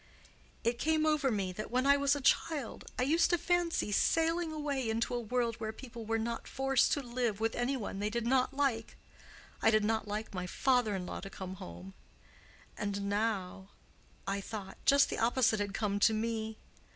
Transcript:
It came over me that when I was a child I used to fancy sailing away into a world where people were not forced to live with any one they did not like—I did not like my father in law to come home. And now, I thought, just the opposite had come to me.